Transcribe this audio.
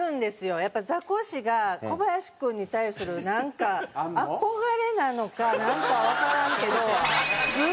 やっぱりザコシがコバヤシ君に対するなんか憧れなのかなんかわからんけどすごいあるよね。